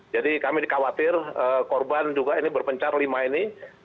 jadi kami khawatir korban juga ini berpencar lima ini